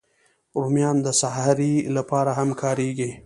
رومیان د سحري لپاره هم کارېږي